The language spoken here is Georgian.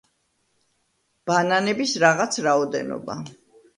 ბანანების რაღაც რაოდენობა.